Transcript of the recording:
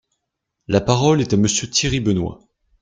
La parole est à Monsieur Thierry Benoit.